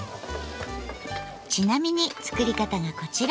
ちなみに作り方がこちら。